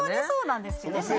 そうなんですけどね